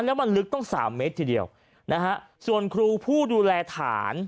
แล้วมันลึกต้องสามเมตรทีเดียวนะฮะส่วนครูผู้ดูแลฐาน